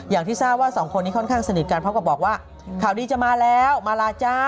อย่างที่ทราบว่าสองคนนี้ค่อนข้างสนิทกันพร้อมกับบอกว่าข่าวดีจะมาแล้วมาลาจ้า